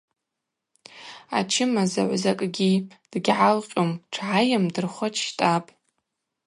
Ачымазагӏв закӏгьи – дгьгӏалкъьум, тшгӏайымдырхуа дщтӏапӏ.